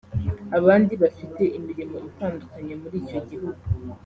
abandi bafite imirimo itandukanye muri icyo gihugu